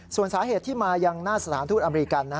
ส่วนสาเหตุที่มายังหน้าสถานทูตอเมริกัน